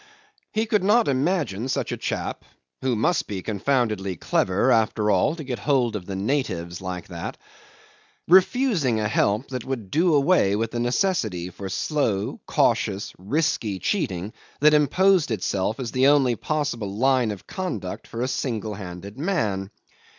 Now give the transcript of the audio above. He could not imagine such a chap (who must be confoundedly clever after all to get hold of the natives like that) refusing a help that would do away with the necessity for slow, cautious, risky cheating, that imposed itself as the only possible line of conduct for a single handed man.